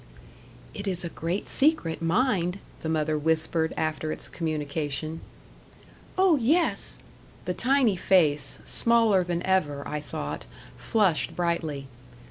"It is a great secret, mind," the mother whispered, after its communication. "Oh, yes!" The tiny face, smaller than ever, I thought, flushed brightly.